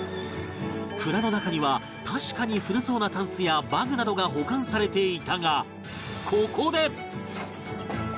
蔵の中には確かに古そうなたんすや馬具などが保管されていたが